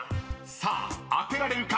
［さあ当てられるか。